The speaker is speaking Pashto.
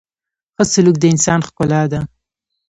• ښه سلوک د انسان ښکلا ده.